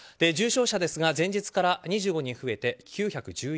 重症者ですが前日から２５人増えて９１１人。